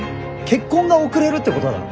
結婚が遅れるってことだろ。